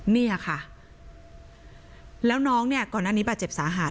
เนี่ยค่ะแล้วน้องเนี่ยก่อนหน้านี้บาดเจ็บสาหัส